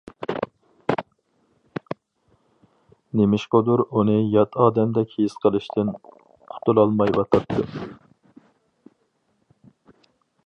نېمىشقىدۇر ئۇنى يات ئادەمدەك ھېس قىلىشتىن قۇتۇلالمايۋاتاتتىم.